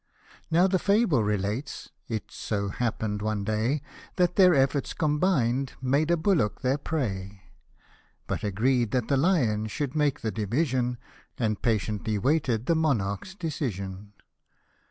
Now the fable relates, it so happen'd one day, That their efforts combined, made a bullock their prey ; But agreed that the Lion should make the division, And patiently waited the monarch's decision.